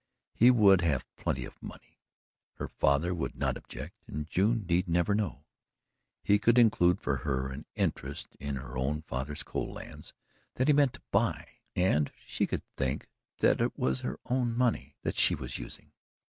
He would have plenty of money. Her father would not object, and June need never know. He could include for her an interest in her own father's coal lands that he meant to buy, and she could think that it was her own money that she was using.